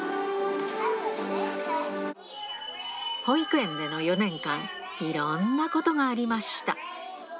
保育園での４年間、いろんなことがありました。